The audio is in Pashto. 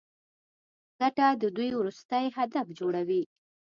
ګټه د دوی وروستی هدف جوړوي